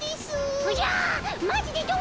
おじゃっ！